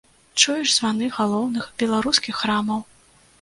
Чуеш званы галоўных беларускіх храмаў.